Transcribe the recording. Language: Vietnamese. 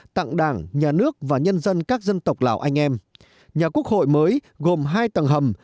tặng đảng nhà nước và nhân dân các dân tộc lào anh em nhà quốc hội mới gồm hai tầng hầm